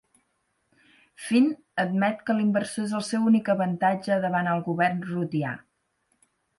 Finn admet que l'inversor és el seu únic avantatge davant el govern rutià.